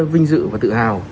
vinh dự và tự hào